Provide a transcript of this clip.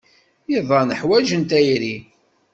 Iḍan ḥwajen tayri.